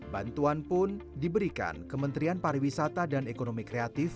bantuan pun diberikan kementerian pariwisata dan ekonomi kreatif